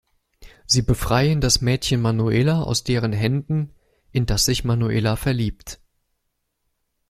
Sie befreien das Mädchen Manuela aus deren Händen, in das sich Manuela verliebt.